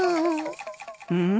うん。